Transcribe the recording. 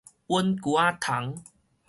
隱痀仔蟲